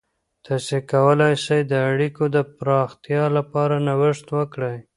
تاسې کولای سئ د اړیکو د پراختیا لپاره نوښت وکړئ.